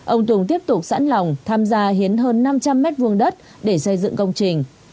ông tùng tiếp tục sẵn lòng tham gia hiến hơn năm trăm linh m hai đất để xây dựng công trình